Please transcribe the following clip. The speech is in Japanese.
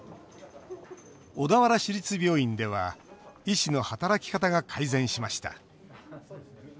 小田原市立病院では医師の働き方が改善しました。